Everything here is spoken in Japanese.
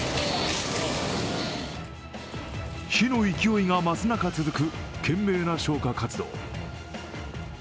火の勢いが増す中続く懸命な消火活動。